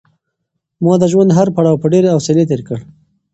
ما د ژوند هر پړاو په ډېرې حوصلې تېر کړ.